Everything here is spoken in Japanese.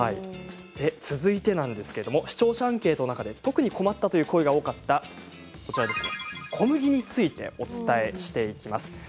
続いて視聴者アンケートの中で特に困ったという声が多かった小麦についてお伝えしていきます。